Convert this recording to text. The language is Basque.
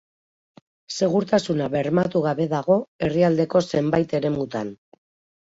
Segurtasuna bermatu gabe dago herrialdeko zenbait eremutan.